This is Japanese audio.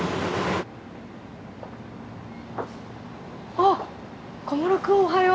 あっ小室君おはよう。